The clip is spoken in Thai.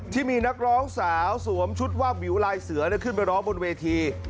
ที่มีนักร้องสาวสวมชุดวาบวิวลายเสือขึ้นไปร้องบนเวที